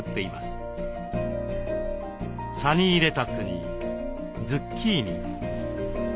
サニーレタスにズッキーニ。